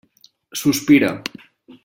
Sospira.